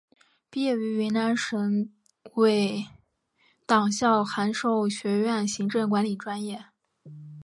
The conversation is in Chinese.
毕业于云南省委党校函授学院行政管理专业。